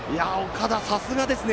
岡田、さすがですね。